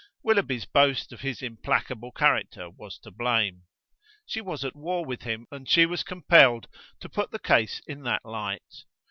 Willoughby's boast of his implacable character was to blame. She was at war with him, and she was compelled to put the case in that light.